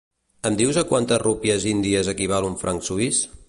Em dius a quantes rúpies índies equival un franc suís?